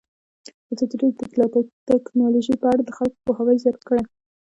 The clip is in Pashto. ازادي راډیو د اطلاعاتی تکنالوژي په اړه د خلکو پوهاوی زیات کړی.